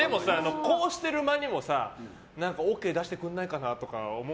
こうしてる間にもＯＫ出してくれないかなとか思う。